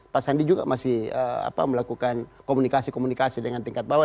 pak sandi juga masih melakukan komunikasi komunikasi dengan tingkat bawah